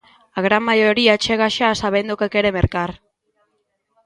A gran maioría chega xa sabendo o que quere mercar.